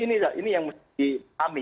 ini yang mesti diambil